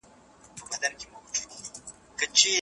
بدن مو د روغتیا په ګاڼه سمبال کړئ.